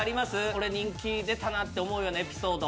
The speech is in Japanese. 俺人気出たなって思うようなエピソード。